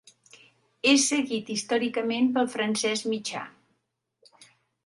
És seguit històricament pel francès mitjà.